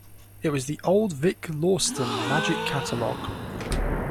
It was the old 'Vick Lawston' magic catalog.